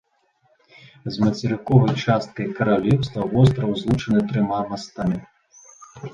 З мацерыковай часткай каралеўства востраў злучаны трыма мастамі.